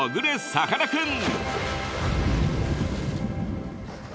さかなクン！